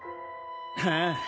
ああ。